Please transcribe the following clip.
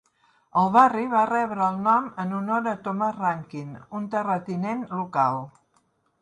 El barri va rebre el nom en honor a Thomas Rankin, un terratinent local.